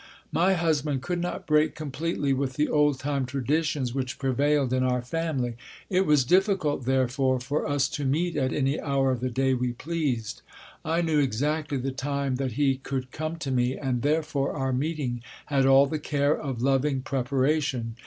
My husband could not break completely with the old time traditions which prevailed in our family. It was difficult, therefore, for us to meet at any hour of the day we pleased. I knew exactly the time that he could come to me, and therefore our meeting had all the care of loving preparation.